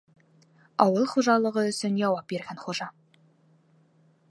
Ауыл хужалығы өсөн яуап биргән хужа!